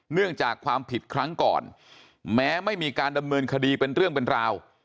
เนื่องจากความผิดครั้งก่อนแม้ไม่มีการดำเนินคดีเป็นเรื่องเป็นราว